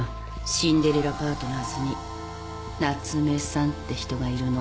シンデレラパートナーズに夏目さんって人がいるの。